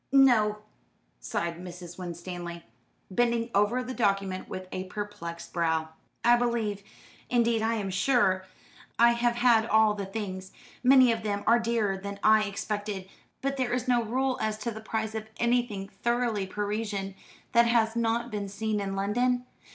"No," sighed Mrs. Winstanley, bending over the document with a perplexed brow, "I believe indeed, I am sure I have had all the things. Many of them are dearer than I expected; but there is no rule as to the price of anything thoroughly Parisian, that has not been seen in London.